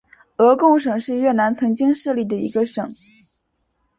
鹅贡省是越南曾经设立的一个省。